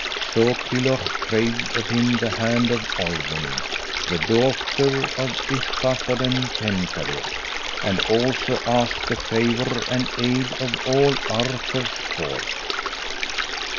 So Kilhuch craved of him the hand of Olwen, the daughter of Yspathaden Penkawr, and also asked the favour and aid of all Arthur's court.